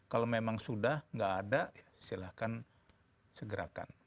kalau memang sudah tidak ada silahkan segerakan